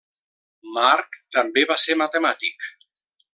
Marc també va ser matemàtic.